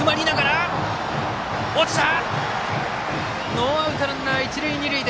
ノーアウト、ランナー、一塁二塁。